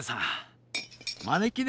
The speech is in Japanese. まねきね